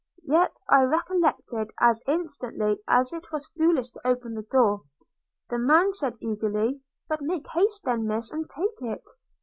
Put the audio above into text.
Yet I recollected, as instantly, that it was foolish to open the door. The man said, eagerly, 'But make haste then, Miss, and take it.'